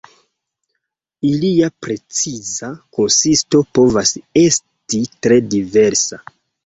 Ilia preciza konsisto povas esti tre diversa.